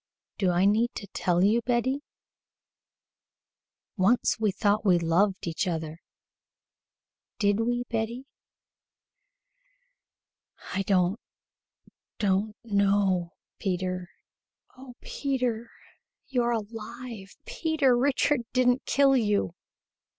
"Do I need to tell you, Betty? Once we thought we loved each other. Did we, Betty?" "I don't don't know Peter! Oh, Peter! Oh, you are alive! Peter! Richard didn't kill you!"